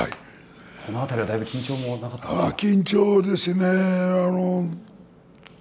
この辺りは、だいぶ緊張もなかったですか。